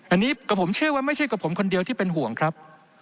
อันนี้กับผมเชื่อว่าไม่ใช่กับผมคนเดียวที่เป็นห่วงครับ